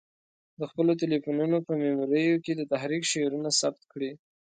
د خپلو تلیفونو په میموریو کې د تحریک شعرونه ثبت کړي.